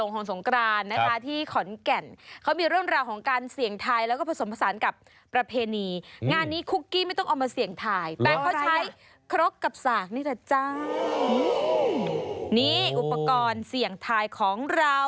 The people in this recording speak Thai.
ก็เดี๋ยวก็คลกแล้วก็สากใบ้กบเสียงไทยจริง